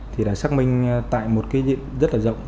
thì đã xác minh tại một cái diện rất là rộng